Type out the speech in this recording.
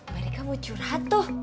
mereka mau curhat tuh